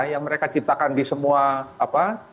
yang mereka ciptakan di semua apa